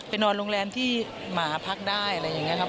นอนโรงแรมที่หมาพักได้อะไรอย่างนี้ครับ